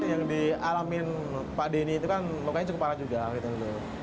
yang dialami pak denny itu kan lukanya cukup parah juga gitu